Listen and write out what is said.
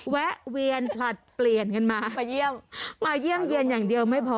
แวะเวียนผลัดเปลี่ยนกันมามาเยี่ยมมาเยี่ยมเยี่ยนอย่างเดียวไม่พอ